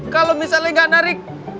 kalau misalnya gak narik